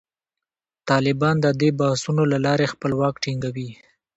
طالبان د دې بحثونو له لارې خپل واک ټینګوي.